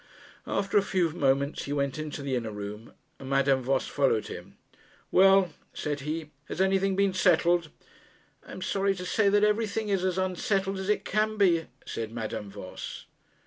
After a few moments he went into the inner room, and Madame Voss followed him. 'Well,' said he, 'has anything been settled?' 'I am sorry to say that everything is as unsettled as it can be,' said Madame Voss.